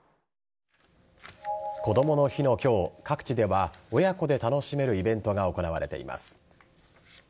こどもの日の今日、各地では親子で楽しめるイベントが行われています。